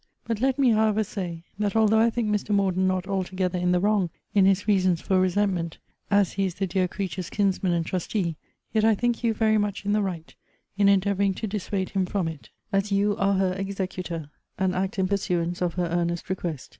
But let me, however, say, that although I think Mr. Morden not altogether in the wrong in his reasons for resentment, as he is the dear creature's kinsman and trustee, yet I think you very much in the right in endeavouring to dissuade him from it, as you are her executor, and act in pursuance of her earnest request.